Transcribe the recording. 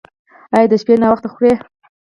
ایا د شپې ناوخته خورئ؟